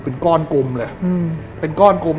เป็นก้อนกลมเลยเป็นก้อนกลม